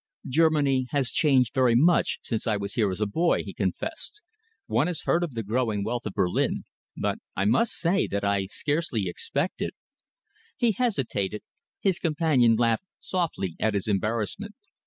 "Germany has changed very much since I was here as a boy," he confessed. "One has heard of the growing wealth of Berlin, but I must say that I scarcely expected " He hesitated. His companion laughed softly at his embarrassment.